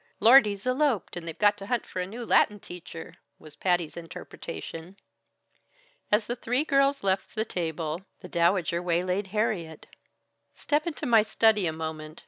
"Lordy's eloped, and they've got to hunt for a new Latin teacher," was Patty's interpretation. As the three girls left the table, the Dowager waylaid Harriet. "Step into my study a moment.